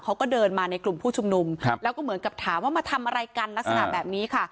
เขาก็เดินมาในกลุ่มผู้ชุมนุมแล้วก็เหมือนกับถามว่ามาทำอะไรกันลักษณะแบบนี้ค่ะ